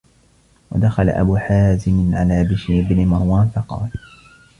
وَدَخَلَ أَبُو حَازِمٍ عَلَى بِشْرِ بْنِ مَرْوَانَ فَقَالَ